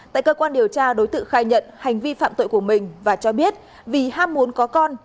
tại cơ quan điều tra đối tượng khai nhận hành vi phạm tội của mình và cho biết vì ham muốn có con